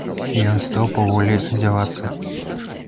І ён стаў паволі адзявацца.